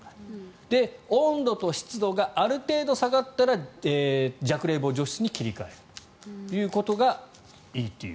温度と湿度がある程度下がったら弱冷房除湿に切り替えるということがいいという。